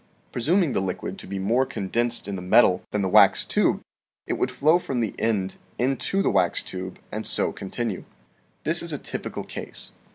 Presuming the liquid to be more condensed in the metal than the wax tube, it would flow from the end into the wax tube and so continue. 48 THE SEVEN FOLLIES OF SCIENCE This is a typical case.